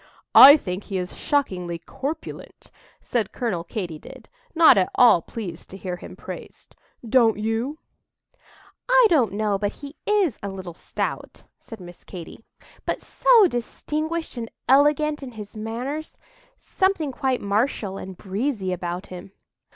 "I think he is shockingly corpulent," said Colonel Katy did, not at all pleased to hear him praised; "don't you?" "I don't know but he is a little stout," said Miss Katy; "but so distinguished and elegant in his manners—something quite martial and breezy about him."